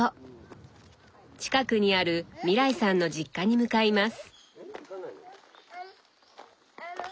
近くにある未來さんの実家に向かいます。